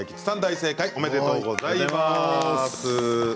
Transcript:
正解おめでとうございます。